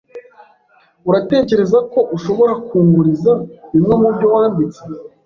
Uratekereza ko ushobora kunguriza bimwe mubyo wanditse?